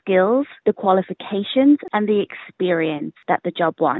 kemahiran kualifikasi dan pengalaman yang diinginkan pekerjaan